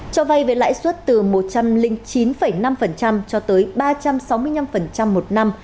cho vay với lãi suất từ một trăm linh chín năm cho tới ba trăm sáu mươi năm một năm